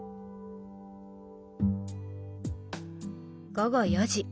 午後４時。